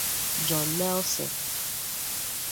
John Nelson